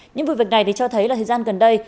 những vụ việc này thì cho thấy là thời gian gần đây